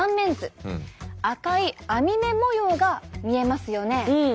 赤い編み目模様が見えますよね。